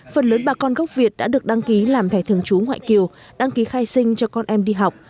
phần lớn bà con gốc việt đã được đăng ký làm thẻ thường trú ngoại kiều đăng ký khai sinh cho con em đi học